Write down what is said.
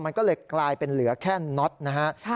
มันก็เลยกลายเป็นเหลือแค่น็อตนะฮะ